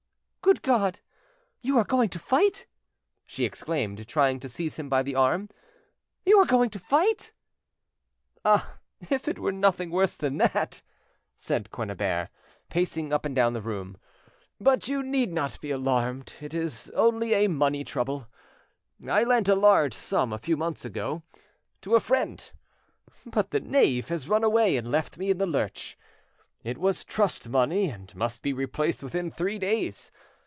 "Good God! You are going to fight!" she exclaimed, trying to seize him by the arm. "You are going to fight!" "Ah! if it were nothing worse than that!" said Quennebert, pacing up and down the room: "but you need not be alarmed; it is only a money trouble. I lent a large sum, a few months ago, to a friend, but the knave has run away and left me in the lurch. It was trust money, and must be replaced within three days.